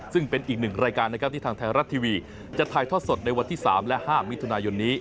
ซึ่งเป็นอีกหนึ่งรายการนะครับที่ทางไทยรัฐทีวีจะถ่ายทอดสดในวันที่๓และ๕มิถุนายนนี้